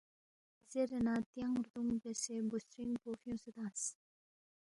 زیرے نہ تیانگ ردُونگ بیاسے بُوسترِنگ پو فیُونگسے تنگس